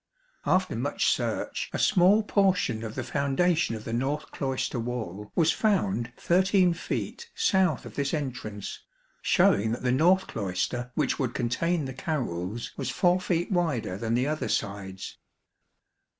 After much search a small portion of the foundation of the north cloister wall was found 13 feet south of this entrance, showing that the north cloister which would contain the carrels was 4 feet wider than the other sides.